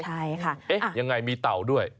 ใช่ค่ะยังไงมีเต่าด้วย